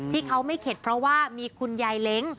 ที่เขาไม่เข็ดเพราะว่ามีคุณยายเล้ง